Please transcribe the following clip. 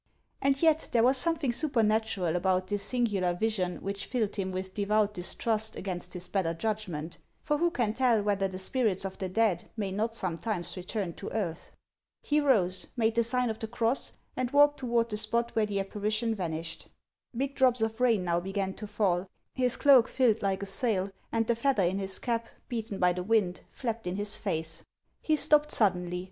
And yet there was something supernatural about this sin gular vision which filled him with devout distrust against his better judgment; for who can tell whether the spirits of the dead may not sometimes return to earth ? He rose, made the sign of the cross, and walked toward the spot where the apparition vanished. Big drops of rain now began to fall ; his cloak filled like a sail, and the feather in his cap, beaten by the wind, flapped in his face. He stopped suddenly.